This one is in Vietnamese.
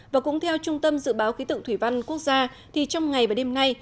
và cũng theo trung tâm dự báo khí tự thủy văn quốc gia trong ngày và đêm nay